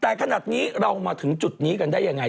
แต่ขนาดนี้เรามาถึงจุดนี้กันได้ยังไง